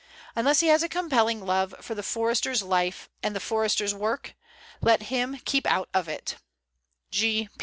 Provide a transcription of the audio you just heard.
Unless he has a compelling love for the Forester's life and the Forester's work, let him keep out of it.